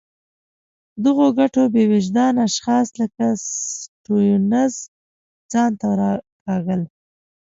دغو ګټو بې وجدان اشخاص لکه سټیونز ځان ته راکاږل.